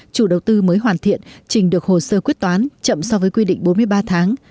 chủ đầu tư mới hoàn thiện trình được hồ sơ quyết toán chậm so với quy định bốn mươi ba tháng